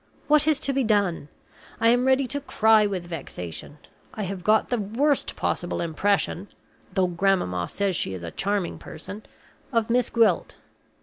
What is to be done? I am ready to cry with vexation. I have got the worst possible impression (though grandmamma says she is a charming person) of Miss Gwilt.